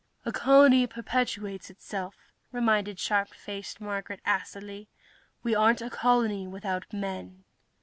"A colony perpetuates itself," reminded sharp faced Marguerite, acidly. "We aren't a colony, without men."